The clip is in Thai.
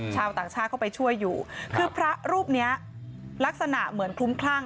ชาวต่างชาติเข้าไปช่วยอยู่คือพระรูปเนี้ยลักษณะเหมือนคลุ้มคลั่ง